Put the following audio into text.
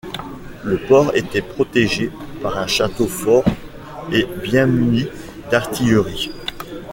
Le port était protégé par un château-fort et bien muni d'artillerie.